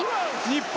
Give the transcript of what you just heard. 日本！